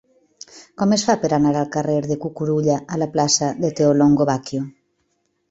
Com es fa per anar del carrer de Cucurulla a la plaça de Theolongo Bacchio?